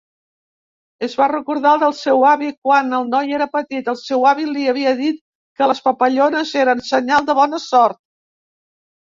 Es va recordar del seu avi; quan el noi era petit, el seu avi li havia dit que les papallones eren senyal de bona sort.